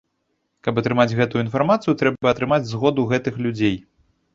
Каб атрымаць гэтую інфармацыю, трэба атрымаць згоду гэтых людзей.